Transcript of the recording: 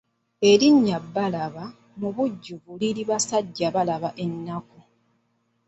Erinnya Balaba mubujjuvu liri Basajjabalaba ennaku.